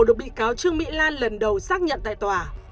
được bị cáo trương mỹ lan lần đầu xác nhận tại tòa